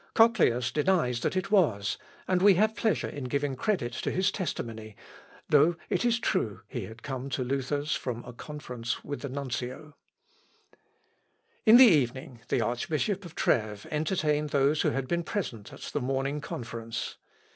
Cochlœus denies that it was, and we have pleasure in giving credit to his testimony, though it is true he had come to Luther's from a conference with the nuncio. [Sidenote: INCIDENT AT SUPPER WITH THE ARCHBISHOP.] In the evening, the Archbishop of Trêves entertained those who had been present at the morning conference.